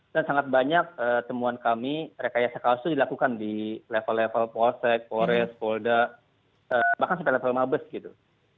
dan sangat banyak temuan kami rekayasa kasus itu dilakukan di level level polsek polres polda bahkan sampai level mabes gitu